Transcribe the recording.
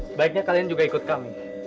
sebaiknya kalian juga ikut kami